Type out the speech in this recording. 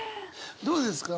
どうですか？